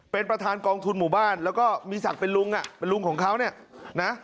เป็นประธานกองทุนหมู่บ้านแล้วก็มีศักดิ์เป็นลุงอ่ะเป็นลุงของเขาเนี่ยนะ